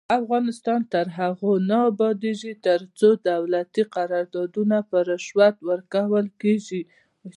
افغانستان تر هغو نه ابادیږي، ترڅو دولتي قراردادونه په رشوت ورکول کیږي.